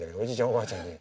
おばあちゃんに。